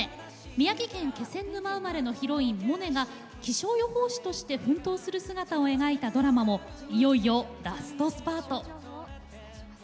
宮城県気仙沼生まれのヒロイン・モネが気象予報士として奮闘する姿を描いたドラマもいよいよラストスパート。